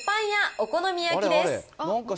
お好み焼です。